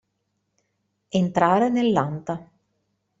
Entrare nell'anta.